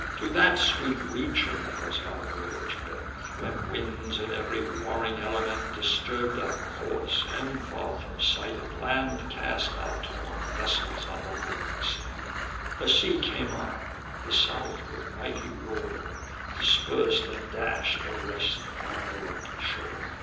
To that sweet region was our voyage bent, When winds and ev'ry warring element Disturb'd our course, and, far from sight of land, Cast our torn vessels on the moving sand: The sea came on; the South, with mighty roar, Dispers'd and dash'd the rest upon the rocky shore.